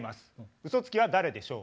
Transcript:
ウソつきは誰でしょう？